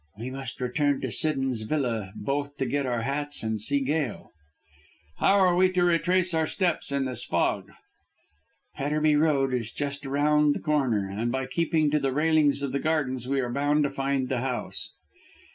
"We must return to Siddons Villa, both to get our hats and to see Gail." "How are we to retrace our steps in this fog?" "Petterby Road is just round the corner, and by keeping to the railings of the gardens we are bound to find the house."